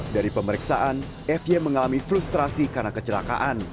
dari pemeriksaan fye mengalami frustrasi karena kecelakaan